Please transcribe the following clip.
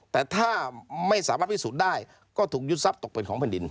แต่ถ้าไม่สามารถพิสูจน์ได้ก็ถูกยึดทรัพย์ตกเป็นของแผ่นดิน